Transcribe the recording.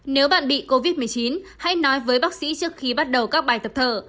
nếu bạn bị covid một mươi chín hãy nói với bác sĩ trước khi bắt đầu các bài tập thở